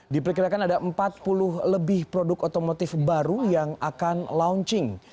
diperkirakan ada empat puluh lebih produk otomotif baru yang akan launching